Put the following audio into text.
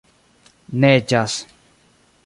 Neĝas.